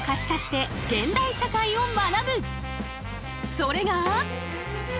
それが。